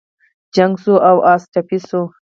جنګ شو او اس ټپي شو.